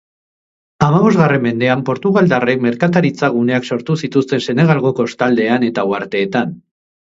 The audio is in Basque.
Hamabosgarren mendean portugaldarrek merkataritza guneak sortu zituzten Senegalgo kostaldean eta uharteetan.